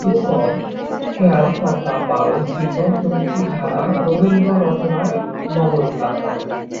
ধ্রুপদ, খেয়াল, টপ্পা, বাউল, কীর্তন প্রভৃতি ধারা রবীন্দ্ররচনায় নবরূপ লাভ করে।